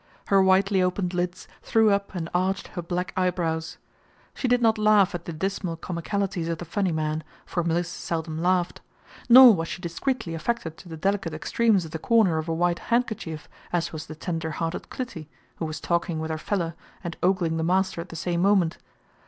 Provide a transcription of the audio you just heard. Her widely opened lids threw up and arched her black eyebrows. She did not laugh at the dismal comicalities of the funny man, for Mliss seldom laughed. Nor was she discreetly affected to the delicate extremes of the corner of a white handkerchief, as was the tender hearted "Clytie," who was talking with her "feller" and ogling the master at the same moment.